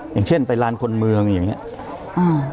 อย่างเช่นไปร้านคนเมืองอย่างนี้